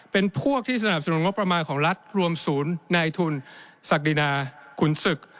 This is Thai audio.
เป็นพวกที่สนับสนุนงบประมาณของรัฐรวมศูนย์นายทุนศักดินาขุนศึก